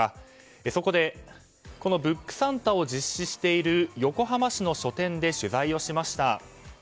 そこで、このブックサンタを実施している横浜市の書店で取材をしました。